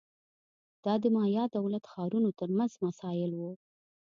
دا د مایا دولت ښارونو ترمنځ مسایل وو